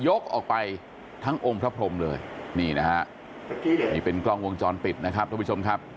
ออกไปทั้งองค์พระพรมเลยนี่นะฮะนี่เป็นกล้องวงจรปิดนะครับทุกผู้ชมครับ